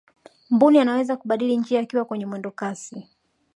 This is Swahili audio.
mbuni anaweza kubadili njia akiwa kwenye mwendo kasi